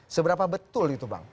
seberapa betul itu bang